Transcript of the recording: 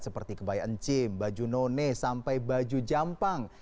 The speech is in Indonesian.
seperti kebaya encim baju none sampai baju jampang